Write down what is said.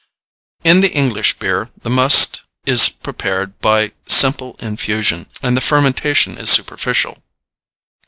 In the English beer the must is prepared by simple infusion and the fermentation is superficial.